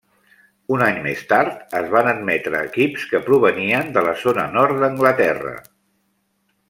Un any més tard es van admetre equips que provenien de la zona nord d'Anglaterra.